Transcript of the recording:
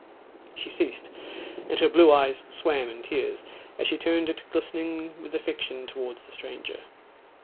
She ceased, and her blue eyes swam in tears, as she turned it glistening with affection towards the stranger.